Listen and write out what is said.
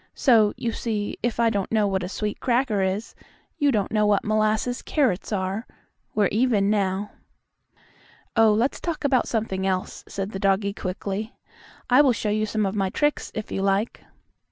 So, you see, if I don't know what a sweet cracker is, you don't know what molasses carrots are. We're even now." "Oh, let's talk about something else," said the doggie quickly. "I will show you some of my tricks, if you like."